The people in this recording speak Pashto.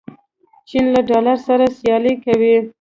چین له ډالر سره سیالي کوي.